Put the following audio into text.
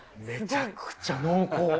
めちゃくちゃ濃厚。